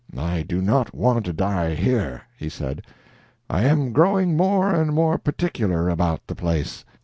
I do not want to die here," he said. "I am growing more and more particular about the place."